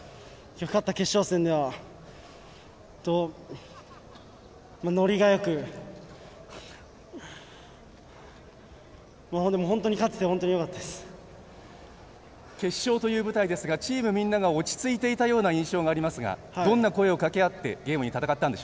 きょう勝った決勝戦ではノリがよく決勝という舞台ですがチームみんなが落ち着いていたような印象がありますがどんな声を掛け合ってきょうのゲーム